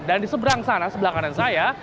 dan di seberang sana sebelah kanan saya